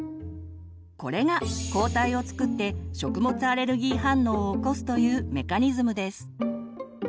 これが抗体を作って食物アレルギー反応を起こすというメカニズムです。